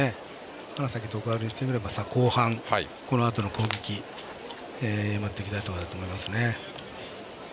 花咲徳栄にしてみれば後半、このあとの攻撃やっていきたいと思います。